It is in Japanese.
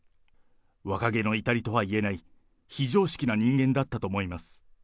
若気の至りとは言えない、非常識な人間だったと思います。